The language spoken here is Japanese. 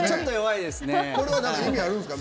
これは意味あるんですか？